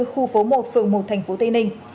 khu phố một phường một thành phố tây ninh